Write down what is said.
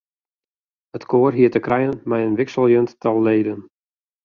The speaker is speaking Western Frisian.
It koar hie te krijen mei in wikseljend tal leden.